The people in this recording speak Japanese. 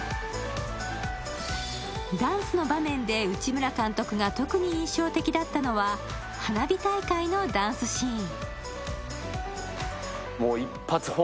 ダンスの場面で内村監督が特に印象的だったのは花火大会のダンスシーン。